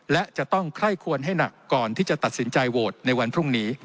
และจะต้องไคร่ควรให้หนักก่อนที่จะตัดสินใจโหวตในวันพรุ่งนี้